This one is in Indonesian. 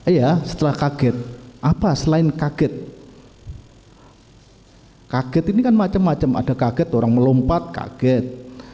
iya setelah kaget apa selain kaget kaget ini kan macam macam ada kaget orang melompat kaget